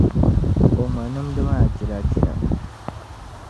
O ŋma nimdi maa jila jila.